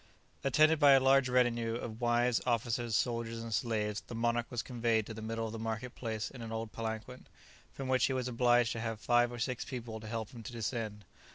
Attended by a large retinue of wives, officers, soldiers, and slaves, the monarch was conveyed to the middle of the market place in an old palanquin, from which he was obliged to have five or six people to help him to descend.